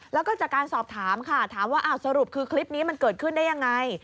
แล้วก็จากการสอบถามค่ะถามว่าสรุปคือคลิปนี้มันเกิดขึ้นได้ยังไง